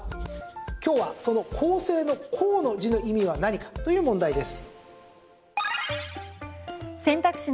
今日は、その校正の「校」の字の意味は何かという問題です。